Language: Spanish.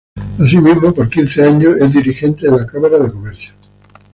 Asimismo, por quince años es dirigente de la Cámara de Comercio.